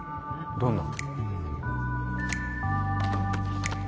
どんな？